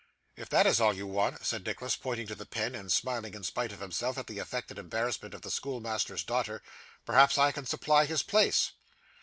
'If that is all you want,' said Nicholas, pointing to the pen, and smiling, in spite of himself, at the affected embarrassment of the schoolmaster's daughter, 'perhaps I can supply his place.